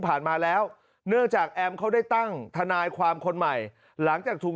มาแล้วเนื่องจากแอมเขาได้ตั้งทนายความคนใหม่หลังจากถูก